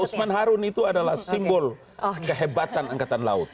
usman harun itu adalah simbol kehebatan angkatan laut